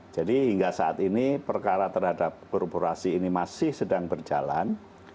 jadi hingga saat ini perkara terhadap korupasi ini masih sedang berjalan